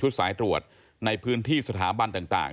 สายตรวจในพื้นที่สถาบันต่าง